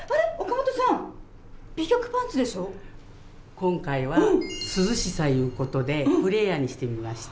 今回は涼しさという事でフレアにしてみました。